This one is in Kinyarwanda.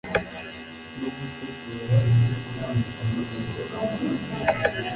no gutegura ibyokurya bifitiye umubiri akamaro